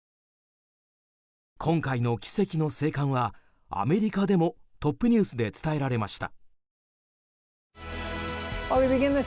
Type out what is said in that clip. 今回の奇跡の生還はアメリカでもトップニュースで伝えられました。